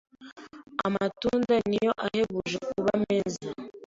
Amatunda ni yo ahebuje kuba meza